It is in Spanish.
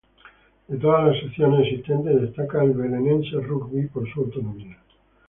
De todas las secciones existentes, destaca el Belenenses Rugby por su autonomía.